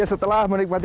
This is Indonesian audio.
ya setelah menikmati